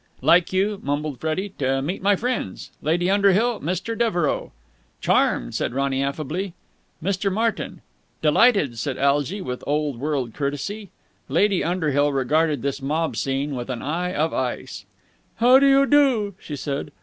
"Like you," mumbled Freddie, "to meet my friends. Lady Underhill. Mr. Devereux." "Charmed," said Ronny affably. "Mr. Martyn." "Delighted," said Algy with old world courtesy. Lady Underhill regarded this mob scene with an eye of ice. "How do you do?" she said.